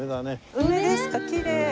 梅ですかきれい。